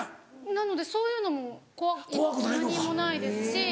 なのでそういうのも何もないですし。